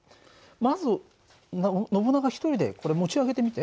まずノブナガ一人でこれ持ち上げてみて。